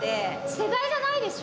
世代ではないでしょ？